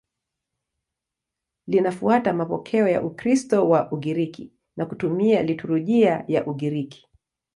Linafuata mapokeo ya Ukristo wa Ugiriki na kutumia liturujia ya Ugiriki.